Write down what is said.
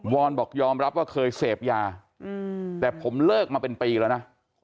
อนบอกยอมรับว่าเคยเสพยาแต่ผมเลิกมาเป็นปีแล้วนะ